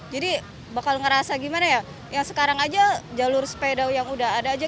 jadi bakal ngerasa gimana ya yang sekarang aja jalur sepeda yang udah ada aja